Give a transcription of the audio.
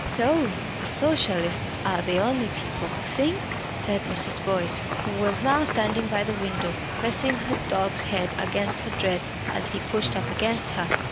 "So the Socialists are the only people who think?" said Mrs. Boyce, who was now standing by the window, pressing her dog's head against her dress as he pushed up against her.